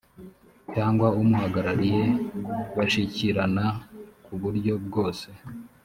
cyangwa umuhagarariye bashyikirana ku buryo bwose